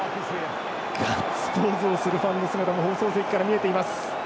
ガッツポーズをするファンの姿も放送席から見えています。